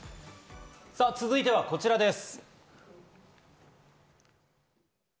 続いてはこちらです。